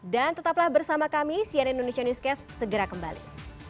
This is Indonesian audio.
dan tetaplah bersama kami cnn indonesia newscast segera kembali